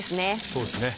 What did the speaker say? そうですね